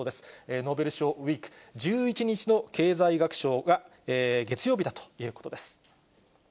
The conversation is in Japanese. ノーベル賞ウイーク、１１日の経済学賞が月曜日だということです。